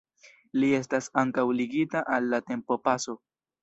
Li estas ankaŭ ligita al la tempopaso.